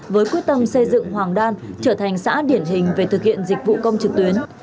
với quyết tâm xây dựng hoàng đan trở thành xã điển hình về thực hiện dịch vụ công trực tuyến